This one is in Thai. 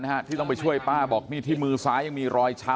ห้ามดอบอ่ะไปเลยไหมนี่เธอแค่พอก็ป่าใส่ด้านให้ฉือ